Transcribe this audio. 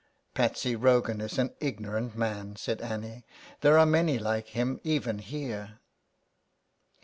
" Patsy Rogan is an ignorant man," said Annie, "there are many like him even here."